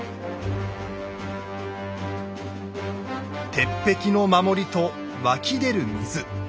鉄壁の守りと湧き出る水。